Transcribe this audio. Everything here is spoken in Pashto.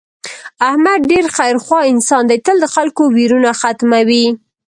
احمد ډېر خیر خوا انسان دی تل د خلکو ویرونه ختموي.